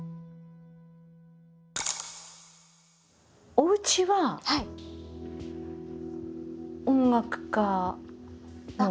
おうちは音楽家のおうちですか？